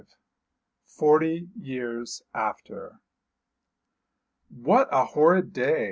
FORTY YEARS AFTER. 'What a horrid day!'